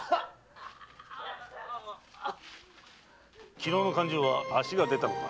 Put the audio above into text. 昨日の勘定は足が出たのか？